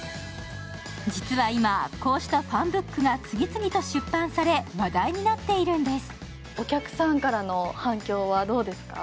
実は今、こうしたファンブックが次々と出版され話題になっているんです。